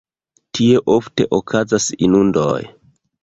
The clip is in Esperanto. Tie ofte okazas inundoj.